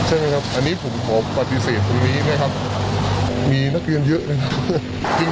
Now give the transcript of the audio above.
อันนี้ผมขอปฏิเสธตรงนี้นะครับมีนักเรียนเยอะเลยครับ